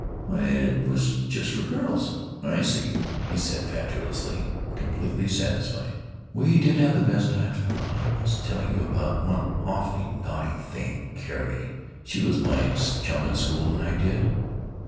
"Why, it was just for girls." "I see," he said, fatuously, completely satisfied. "We did have the best times, Carl. I must tell you about one awfully naughty thing Carrie—she was my chum in school—and I did.